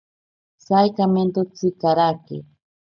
Saikamentotsi karake.